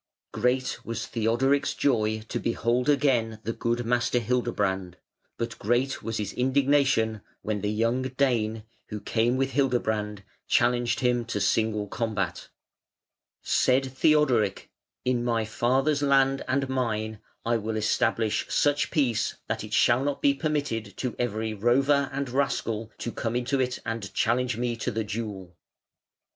Great was Theodoric's joy to behold again the good Master Hildebrand; but great was his indignation when the young Dane, who came with Hildebrand, challenged him to single combat. Said Theodoric: "In my father's land and mine I will establish such peace that it shall not be permitted to every rover and rascal to come into it and challenge me to the duel".